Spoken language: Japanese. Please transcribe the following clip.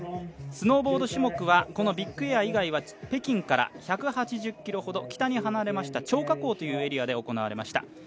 スノーボード種目はこのビッグエア以外は北京から１８０ｋｍ北に離れました張家口というエリアで行われました。